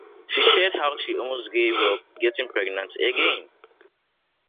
She shared how she almost gave up getting pregnant again.